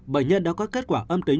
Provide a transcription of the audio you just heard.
bệnh nhân đã có kết quả âm tính